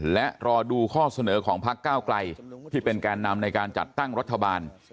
และรอดูข้อเสนอของพักก้าวไกลที่เป็นแกนนำในการจัดตั้งรัฐบาล